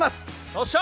よっしゃ！